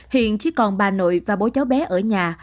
hiện chỉ còn bà nội và bố cháu bé ở nhà